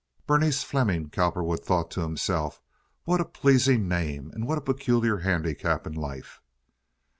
"Berenice Fleming," Cowperwood thought to himself. "What a pleasing name, and what a peculiar handicap in life."